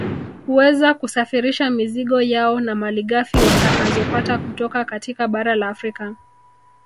Kuweza kusafirisha mizigo yao na malighafi watakazopata kutoka katika bara la Afrika